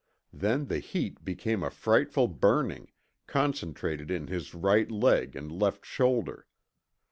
Then the heat became a frightful burning, concentrated in his right leg and left shoulder.